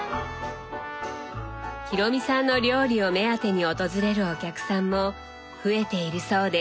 裕美さんの料理を目当てに訪れるお客さんも増えているそうです。